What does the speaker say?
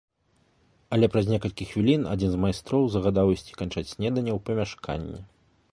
Але праз некалькі хвілін адзін з майстроў загадаў ісці канчаць снеданне ў памяшканне.